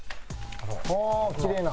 はあきれいな。